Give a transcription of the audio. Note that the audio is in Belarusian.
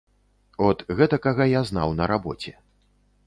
От гэтакага я знаў на рабоце.